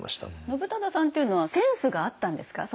信忠さんっていうのはセンスがあったんですか？